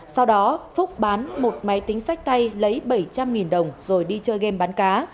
sau đó phúc bán một máy tính sách tay lấy bảy trăm linh đồng rồi đi chơi game bán cá